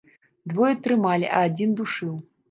Двое трымалі, а адзін душыў.